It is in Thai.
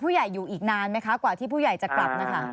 ผู้ใหญ่อยู่อีกนานไหมคะกว่าที่ผู้ใหญ่จะกลับนะคะ